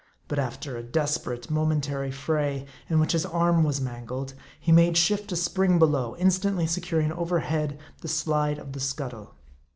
But after a desperate moment ary fray, in which his arm was mangled, he made shift to spring below, instantly securing overhead the slide of the scuttle.